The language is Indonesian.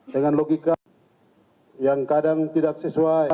dengan logika yang kadang tidak sesuai